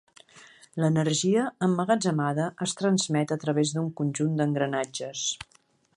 L'energia emmagatzemada es transmet a través d'un conjunt d'engranatges.